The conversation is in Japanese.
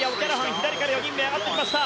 左から４人目上がってきました。